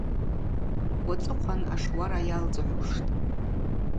Уацӏыхъван ашуара йалдзгӏуштӏ.